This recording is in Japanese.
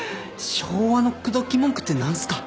昭和の口説き文句って何すか？